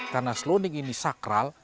karena selonding ini sakral